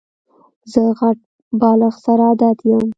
زه غټ بالښت سره عادت یم.